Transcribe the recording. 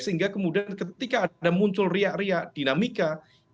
sehingga kemudian ketika ada muncul ria ria dinamika